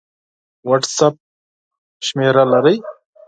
وټس اپ شمېره لرئ؟